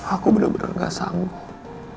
aku bener bener gak sanggup